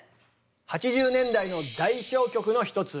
８０年代の代表曲の一つ